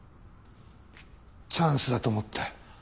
チャンスだと思って。